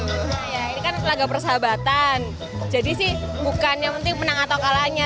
ya ini kan laga persahabatan jadi sih bukan yang penting menang atau kalahnya